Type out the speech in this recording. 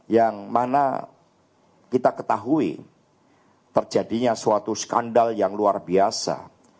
yang mana kita ketahui terjadinya suatu skandal yang luar biasa